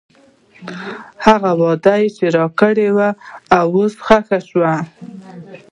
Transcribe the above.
هغه وعده چې راکړې وه، اوس ښخ شوې.